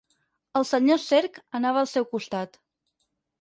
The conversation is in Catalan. El senyor Cerc anava al seu costat.